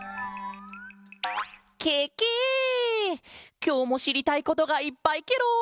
きょうもしりたいことがいっぱいケロ！